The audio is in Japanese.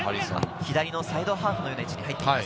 左のサイドハーフのような位置に入っています。